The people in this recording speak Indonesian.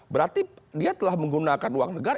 berarti dia telah menggunakan uang negara